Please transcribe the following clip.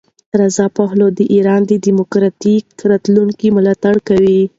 رضا پهلوي د ایران د دیموکراتیک راتلونکي ملاتړ کوي.